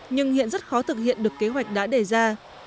nhưng hiện rất khó thực hiện được kế hoạch đã đề ra